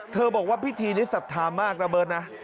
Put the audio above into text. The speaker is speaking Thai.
บอกว่าพิธีนี้ศรัทธามากระเบิร์ตนะ